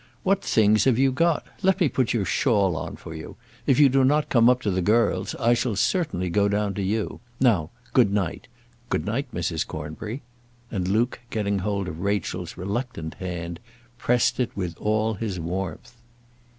What things have you got? Let me put your shawl on for you. If you do not come up to the girls, I shall certainly go down to you. Now, good night. Good night, Mrs. Cornbury." And Luke, getting hold of Rachel's reluctant hand, pressed it with all his warmth.